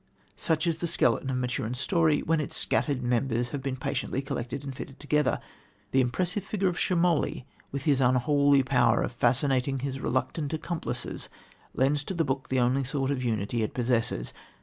Such is the skeleton of Maturin's story, when its scattered members have been patiently collected and fitted together. The impressive figure of Schemoli, with his unholy power of fascinating his reluctant accomplices, lends to the book the only sort of unity it possesses.